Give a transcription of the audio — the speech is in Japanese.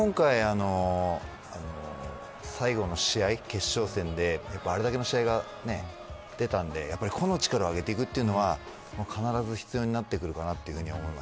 今回、最後の試合、決勝戦であれだけの試合が出たのでやはり個の力を上げていくというのは必ず必要になってくるかな